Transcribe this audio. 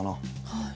はい。